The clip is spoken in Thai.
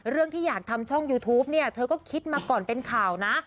ที่อยากทำช่องยูทูปเนี่ยเธอก็คิดมาก่อนเป็นข่าวนะ